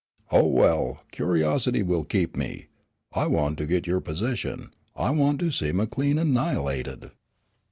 "Oh, well, curiosity will keep me. I want to get your position, and I want to see McLean annihilated."